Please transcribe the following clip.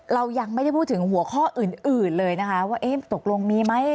เรายังไม่ได้พูดถึงหัวข้ออื่นเลยนะคะว่าตกลงมีไหม